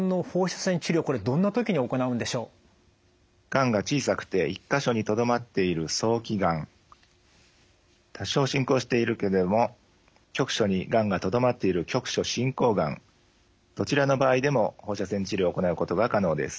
がんが小さくて１か所にとどまっている多少進行しているけども局所にがんがとどまっているどちらの場合でも放射線治療を行うことが可能です。